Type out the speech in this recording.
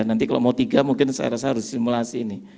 nanti kalau mau tiga mungkin saya rasa harus simulasi ini